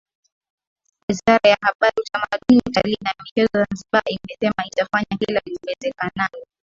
Wizara ya Habari Utamaduni Utalii na Michezo Zanzibar imesema itafanya kila liwezekanalo